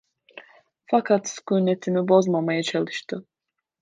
Fakat sükûnetimi bozmamaya çalıştı.